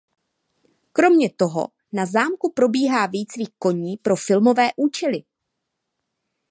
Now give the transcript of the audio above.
Kromě toho na zámku probíhá výcvik koní pro filmové účely.